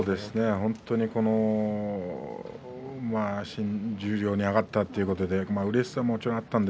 新十両に上がったということでうれしさはもちろんありました。